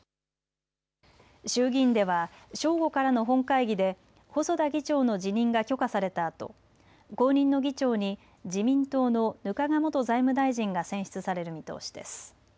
衆議院では正午からの本会議で細田議長の辞任が許可されたあと後任の議長に自民党の額賀元財務大臣が選出される見通しです。